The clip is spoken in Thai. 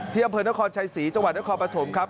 อำเภอนครชัยศรีจังหวัดนครปฐมครับ